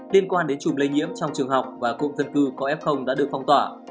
liên quan đến chùm lây nhiễm trong trường học và cụm dân cư có f đã được phong tỏa